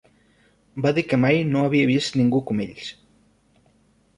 Va dir que mai no havia vist ningú com ells.